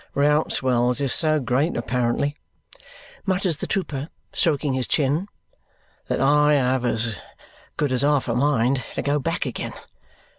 Rouncewell's is so great apparently," mutters the trooper, stroking his chin, "that I have as good as half a mind to go back again.